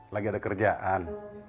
lagi ada kerjaan